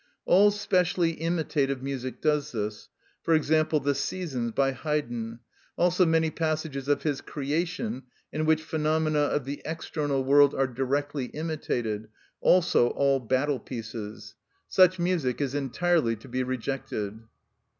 All specially imitative music does this; for example, "The Seasons," by Haydn; also many passages of his "Creation," in which phenomena of the external world are directly imitated; also all battle pieces. Such music is entirely to be rejected.